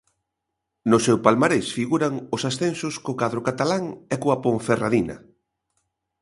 No seu palmarés figuran os ascensos co cadro catalán e coa Ponferradina.